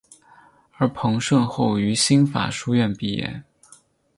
而彭顺后于新法书院毕业。